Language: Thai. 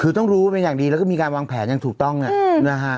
คือต้องรู้เป็นอย่างดีแล้วก็มีการวางแผนอย่างถูกต้องนะฮะ